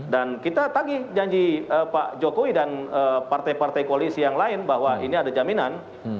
dan kita tadi janji pak jokowi dan partai partai koalisi yang lain bahwa ini ada jaminan